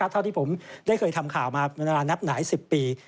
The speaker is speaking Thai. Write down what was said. เท่าที่ผมได้เคยทำข่าวมานานนับหลาย๑๐ปี